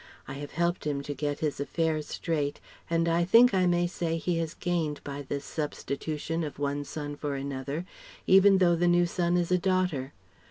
I have helped him to get his affairs straight, and I think I may say he has gained by this substitution of one son for another, even though the new son is a daughter!